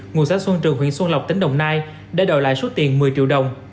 ngụ xã xuân trường huyện xuân lộc tỉnh đồng nai để đòi lại số tiền một mươi triệu đồng